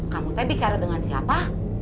kamu tapi bicara dengan siapa